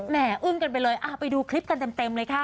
อึ้งกันไปเลยไปดูคลิปกันเต็มเลยค่ะ